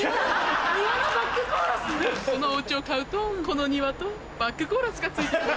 このお家を買うとこの庭とバックコーラスが付いてきます。